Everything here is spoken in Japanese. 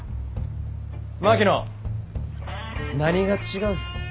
槙野何が違う？